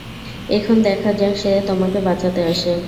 এখন দেখা যাক কে তোমাকে বাঁচাতে আসে।